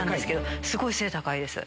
すごい背高いです。